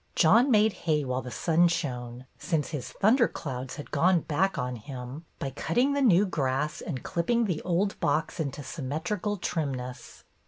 John made hay while the sun shone — since his thunder clouds had gone back on him — by cutting the new grass and clipping the old box into symmetrical trimness.